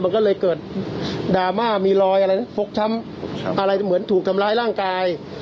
มันก็เลยเกิดดราม่ามีรอยอะไรนะฟกช้ำอะไรเหมือนถูกทำร้ายร่างกาย